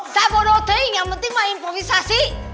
saya bodoh teng yang penting mah improvisasi